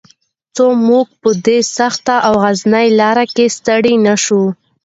څو موږ په دې سخته او غرنۍ لاره کې ستړي نه شو.